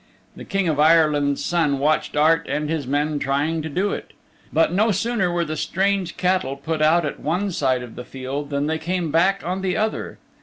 The King of Ireland's Son watched Art and his men trying to do it. But no sooner were the strange cattle put out at one side of the field than they came back on the other.